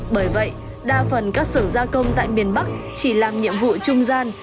bởi vậy đa phần các sở gia công tại miền bắc chỉ làm nhiệm vụ trung gian